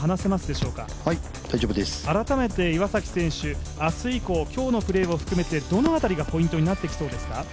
改めて岩崎選手、明日以降今日のプレーを含めてどの辺りが、ポイントになってきそうですか？